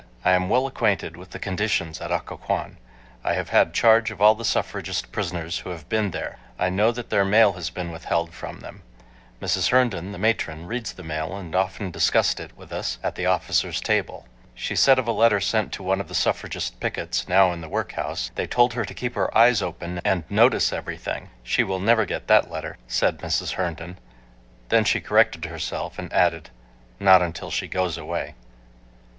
I am well acquainted with the conditions at Occoquan. I have had charge of all the suffragist prisoners who have been there. I know that their mail has been withheld from them. Mrs. Herndon, the matron, reads the mail, and often discussed it with us at the officers' table. She said of a letter sent to one of the suffragist pickets now in the workhouse, "They told her to keep her eyes open and notice everything. She will never get that letter," said Mrs. Herndon. ,Then she corrected herself, and added, "Not until she goes away."